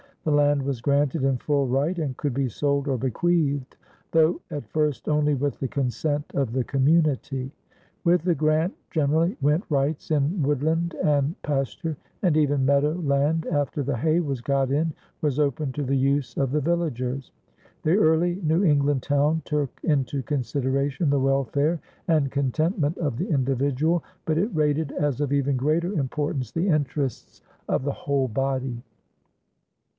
The land was granted in full right and could be sold or bequeathed, though at first only with the consent of the community. With the grant generally went rights in woodland and pasture; and even meadow land, after the hay was got in, was open to the use of the villagers. The early New England town took into consideration the welfare and contentment of the individual, but it rated as of even greater importance the interests of the whole body.